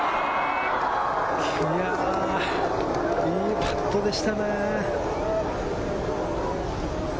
いや、いいパットでしたね。